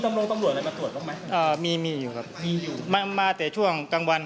ตรงนี้รูปนึงต้องอาจจะมาตรงนู้น